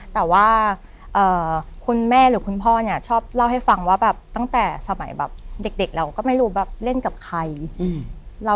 แต่ว่าคุณแม่หรือคุณพ่อเนี่ยชอบเล่าให้ฟังว่าแบบตั้งแต่สมัยแบบเด็กเราก็ไม่รู้แบบเล่นกับใคร